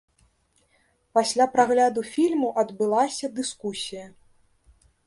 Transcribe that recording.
Пасля прагляду фільму адбылася дыскусія.